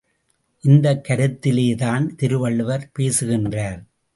இந்தக் கருத்திலேதான் திருவள்ளுவர் பேசுகின்றார்.